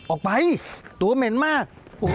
ออกไปตัวเหม็นมาก